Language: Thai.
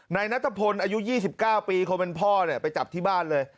นายนัทพลอายุ๒๙ปีคนเป็นพ่อไปจับที่บ้านเลย